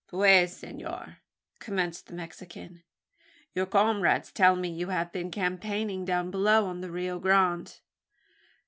"Puez, Senor!" commenced the Mexican, "your comrades tell me, you have been campaigning down below on the Rio Grande."